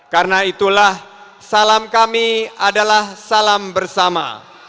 karena itulah salam kami adalah salam bersama